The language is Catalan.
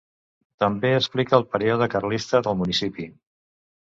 També explica el període carlista del municipi.